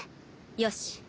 よし。